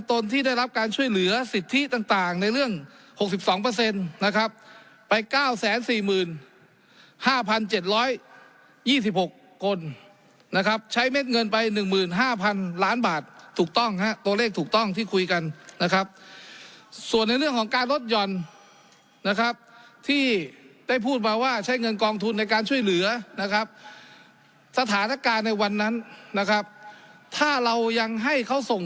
ที่ได้รับการช่วยเหลือสิทธิต่างต่างในเรื่องหกสิบสองเปอร์เซ็นนะครับไปเก้าแสนสี่หมื่นห้าพันเจ็ดร้อยยี่สิบหกคนนะครับใช้เม็ดเงินไปหนึ่งหมื่นห้าพันล้านบาทถูกต้องฮะตัวเลขถูกต้องที่คุยกันนะครับส่วนในเรื่องของการลดหย่อนนะครับที่ได้พูดมาว่าใช้เงินกองทุนในการช่วยเหลือนะครับสถานการณ์ใน